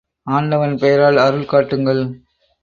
ஆண்டவன் பெயரால் அருள் காட்டுங்கள்!